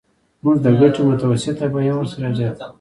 موږ د ګټې متوسطه بیه هم ورسره یوځای کوو